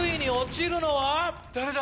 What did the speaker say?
誰だ？